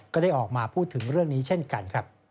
ก็ได้ออกมาพูดถึงเรื่องนี้เช่นกันครับ